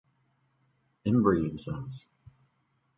Embree and Sons.